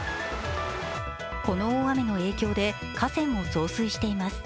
この大雨の影響で、河川も増水しています。